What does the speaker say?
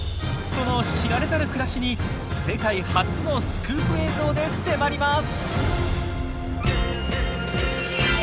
その知られざる暮らしに世界初のスクープ映像で迫ります！